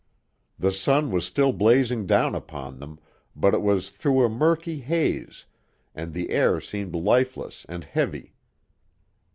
The sun was still blazing down upon them, but it was through a murky haze, and the air seemed lifeless and heavy.